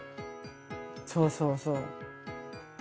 そうそうそう。